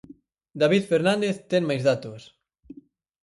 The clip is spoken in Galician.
David Fernández ten máis datos...